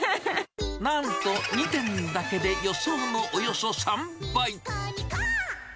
なんと２点だけで予想のおよそ３倍。